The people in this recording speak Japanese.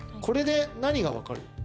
これで何が分かる？